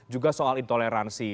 juga soal intoleransi